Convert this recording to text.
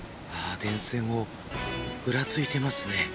電線をぶらついていますね。